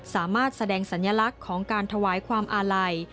สามารถแสดงสัญลักษณ์ของการถวายความอาลัย